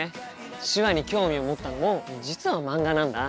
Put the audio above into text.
手話に興味を持ったのも実は漫画なんだ。